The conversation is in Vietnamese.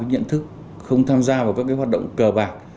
nhận thức không tham gia vào các hoạt động cờ bạc